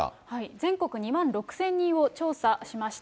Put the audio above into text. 全国２万６０００人を調査しました。